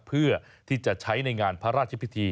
เพื่อที่จะใช้ในงานพระราชพิธี